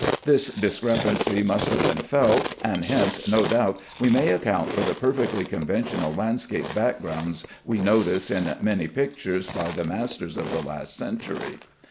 This discrepancy must have been felt, and hence no doubt we may account for the perfectly conventional landscape backgrounds we notice in many pictures by the masters of the last century.